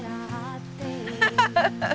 ハハハハ！